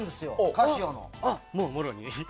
カシオの。